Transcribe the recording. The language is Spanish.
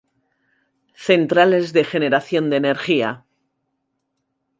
Centrales de generación de energía.